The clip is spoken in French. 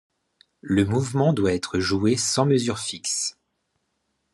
Le mouvement doit être joué sans mesure fixe.